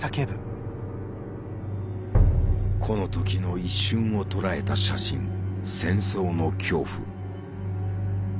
この時の一瞬を捉えた写真「戦争の恐怖」。